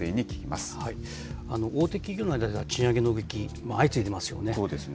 大手企業の間では、賃上げの動き、相次いでますよね。